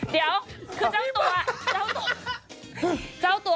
ตรงนี้เจ้าตัว